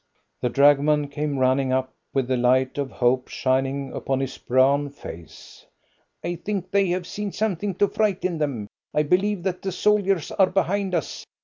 The dragoman came running up with the light of hope shining upon his brown face. "I think they have seen something to frighten them. I believe that the soldiers are behind us.